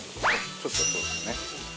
ちょっとそうですね。